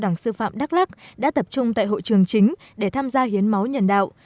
trường cao đẳng sư phạm đắk lắc đã tập trung tại hội trường chính để tham gia hiến máu nhận đạo